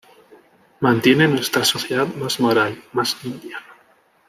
Mantiene nuestra sociedad más moral, más limpia".